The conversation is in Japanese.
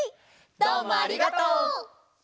どうもありがとう！